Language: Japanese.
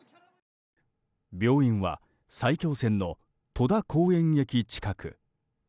病院は埼京線の戸田公園駅近く。